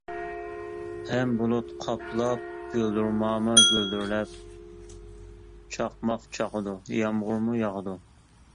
ھەم بۇلۇت قاپلاپ، گۈلدۈرماما گۈلدۈرلەپ، چاقماق چاقىدۇ، يامغۇرمۇ ياغىدۇ.